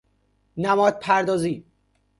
نماد پردازی